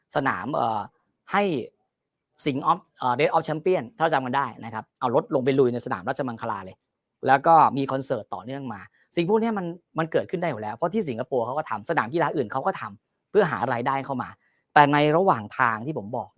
สนามเอ่อให้สิงเอาเอ่อเรดออฟชัมเปียนถ้าจำกันได้นะครับ